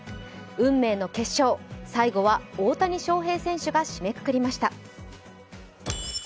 運命の決勝、最後は大谷翔平選手が締めくくりました。